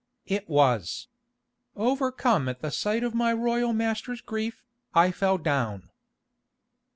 "It was. Overcome at the sight of my royal master's grief, I fell down."